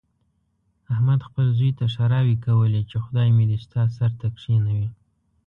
احمد خپل زوی ته ښېراوې کولې، چې خدای مې دې ستا سر ته کېنوي.